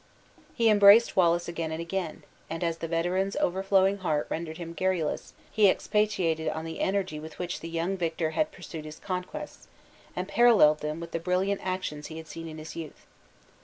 He embraced Wallace again and again; and, as the veteran's overflowing heart rendered him garrulous, he expatiated on the energy with which the young victor had pursued his conquests, and paralleled them with the brilliant actions he had seen in his youth.